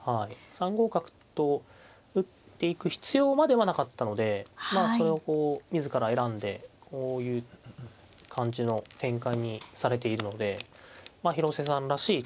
３五角と打っていく必要まではなかったのでまあそれをこう自ら選んでこういう感じの展開にされているのでまあ広瀬さんらしい